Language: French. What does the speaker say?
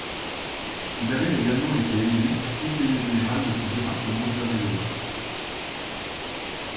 Il avait également été élu conseiller général de son département d'Eure-et-Loir.